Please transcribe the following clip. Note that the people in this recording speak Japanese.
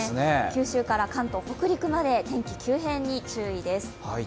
九州から関東、北陸まで天気急変に注意が必要です。